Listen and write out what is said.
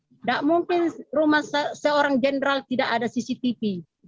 tidak mungkin rumah seorang jenderal tidak ada cctv